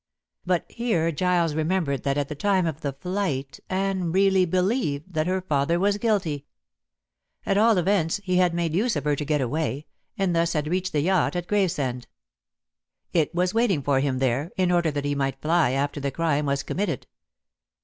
But here Giles remembered that at the time of the flight Anne really believed that her father was guilty. At all events he had made use of her to get away, and thus had reached the yacht at Gravesend. It was waiting for him there, in order that he might fly after the crime was committed.